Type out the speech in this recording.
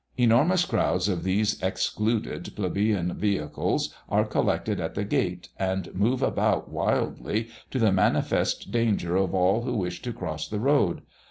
Enormous crowds of these excluded plebeian vehicles are collected at the gate, and move about wildly, to the manifest danger of all those who wish to cross the road.